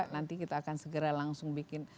nanti kita akan segera langsung bikin